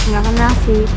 gak kenal sih